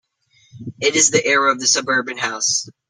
It is the era of the "suburban house".